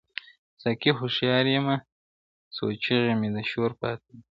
ساقي هوښیار یمه څو چېغي مي د شور پاته دي؛